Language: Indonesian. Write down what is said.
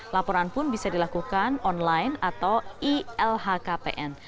laporan pun bisa dilakukan online atau ilhkpn